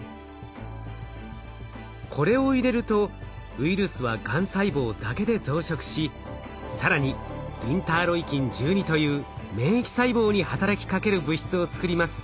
これを入れるとウイルスはがん細胞だけで増殖し更にインターロイキン１２という免疫細胞に働きかける物質を作ります。